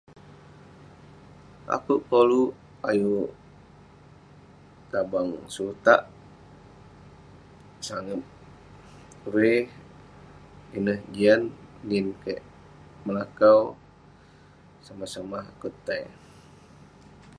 Akouk koluk ayuk tabang sutak, sangep ve. Ineh jian nin kek melakau somah-somah akouk tei.